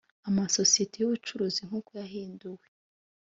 amasosiyete y’ubucuruzi nk’uko yahinduwe